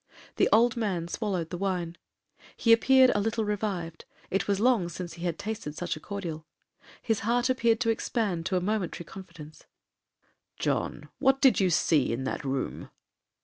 The old man swallowed the wine. He appeared a little revived; it was long since he had tasted such a cordial,—his heart appeared to expand to a momentary confidence. 'John, what did you see in that room?'